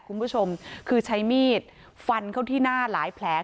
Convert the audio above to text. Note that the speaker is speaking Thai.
คุณผู้ชมคือใช้มีดฟันเข้าที่หน้าหลายแผล